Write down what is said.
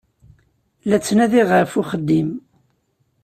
La ttnadiɣ ɣef uxeddim.